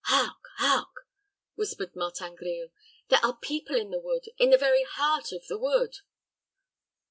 "Hark! hark!" whispered Martin Grille. "There are people in the wood in the very heart of the wood."